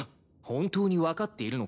本当に分かっているのか？